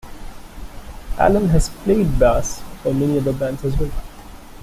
Allen has played bass for many other bands as well.